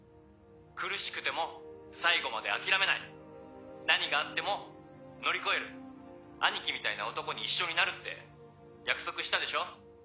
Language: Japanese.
苦しくても最後まで諦めない何があっても乗り越える兄貴みたいな男に一緒になるって約束したでしょ？